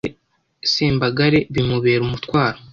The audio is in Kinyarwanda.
Sembagare bimubera umutwaro;